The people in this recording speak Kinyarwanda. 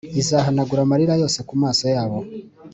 Izahanagura amarira yose ku maso yabo